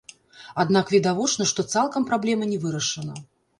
Аднак відавочна, што цалкам праблема не вырашана.